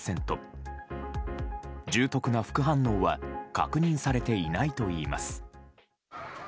重篤な副反応は確認されていないといいます。